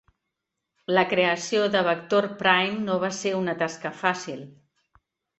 La creació de Vector Prime no va ser una tasca fàcil.